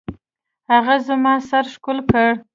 هغه زما سر ښكل كړ.